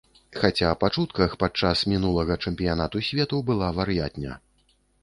Хаця, па чутках, падчас мінулага чэмпіянату свету была вар'ятня.